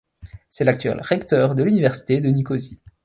C'est l'actuel recteur de l'université de Nicosie.